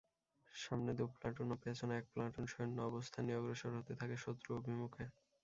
সামনে দু প্লাটুন ও পেছনে এক প্লাটুন সৈন্য অবস্থান নিয়ে অগ্রসর হতে থাকে শত্রু অভিমুখে।